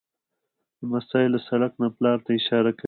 لمسی له سړک نه پلار ته اشاره کوي.